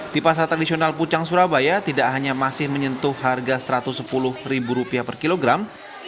di pasar tradisional pucang surabaya tidak hanya masih menyentuh harga rp satu ratus sepuluh per kilogram